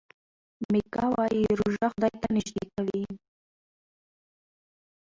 میکا وايي چې روژه خدای ته نژدې کوي.